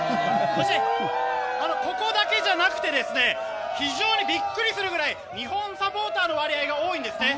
そして、ここだけじゃなくて非常にびっくりするくらい日本サポーターの割合が多いんですね。